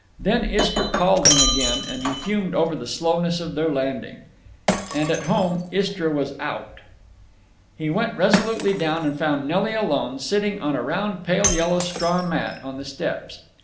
Then Istra called him again, and he fumed over the slowness of their landing. And, at home, Istra was out. He went resolutely down and found Nelly alone, sitting on a round pale yellow straw mat on the steps.